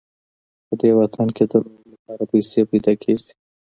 په دې وطن کې د نورو لپاره پیسې پیدا کېږي.